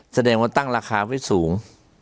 แสดงว่าตั้งราคาไว้สูง